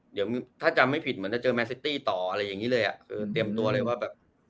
เดี๋ยวถ้าจำไม่ผิดเหมือนจะเจอแมนซิตี้ต่ออะไรอย่างงี้เลยอ่ะเออเตรียมตัวเลยว่าแบบ